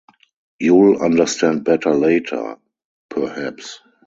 You’ll understand better later — perhaps.